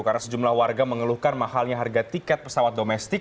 karena sejumlah warga mengeluhkan mahalnya harga tiket pesawat domestik